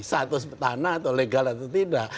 status tanah atau legal atau tidak